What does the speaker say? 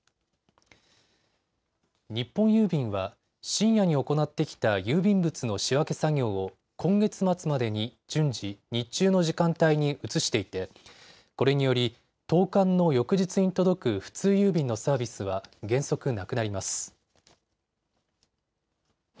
日本郵便は深夜に行ってきた郵便物の仕分け作業を今月末までに、順次、日中の時間帯に移していて、これにより投かんの翌日に届く普通郵便のサービスは原則なくなります。